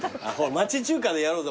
『町中華で飲ろうぜ』